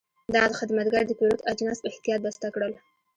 دا خدمتګر د پیرود اجناس په احتیاط بسته کړل.